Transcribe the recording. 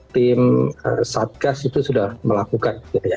tim satgas itu sudah melakukan gitu ya